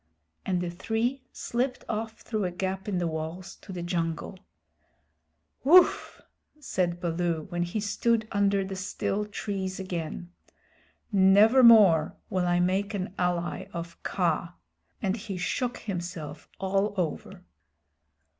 And the three slipped off through a gap in the walls to the jungle. "Whoof!" said Baloo, when he stood under the still trees again. "Never more will I make an ally of Kaa," and he shook himself all over.